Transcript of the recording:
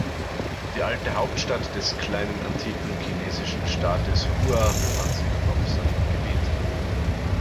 Die alte Hauptstadt des kleinen antiken chinesischen Staates Hua befand sich auf seinem Gebiet.